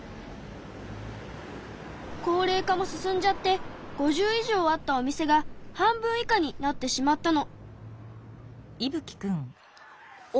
高れい化も進んじゃって５０以上あったお店が半分以下になってしまったの。